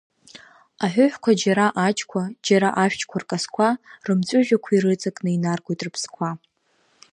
Аҳәыҳәқәа џьара аџьқәа, џьара ашәчқәа ркасқәа, рымҵәыжәҩақәа ирыҵакны инаргоит рыԥсқәа.